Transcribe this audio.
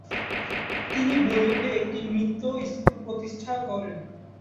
তিনি বলিউডে একটি নৃত্য স্কুল প্রতিষ্ঠা করেন।